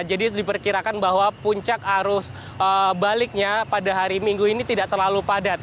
jadi diperkirakan bahwa puncak arus baliknya pada hari minggu ini tidak terlalu padat